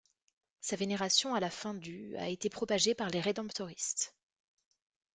Sa vénération à la fin du a été propagée par les Rédemptoristes.